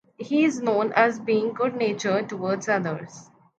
He is known as being good-natured towards others.